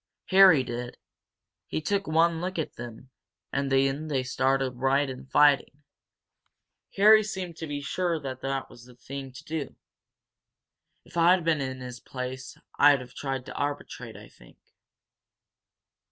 "Harry did. He took one look at him and then they started right in fighting. Harry seemed to be sure that was the thing to do. If I'd been in his place I'd have tried to arbitrate I think.